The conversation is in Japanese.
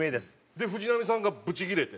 で藤波さんがブチギレて。